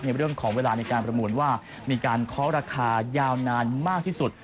ในเรื่องของเวลาในการประมูลว่ามีการเคาะราคายาวนานมากที่สุด